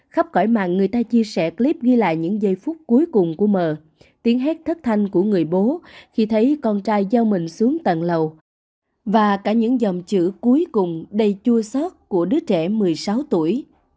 khắp cõi mạng người ta chia sẻ clip ghi lại những giây phút cuối cùng của mờ tiếng hét thất thanh của người bố khi thấy con trai gieo mình xuống tận lầu và cả những dòng chữ cuối cùng đầy chua sót của đứa trẻ một mươi sáu tuổi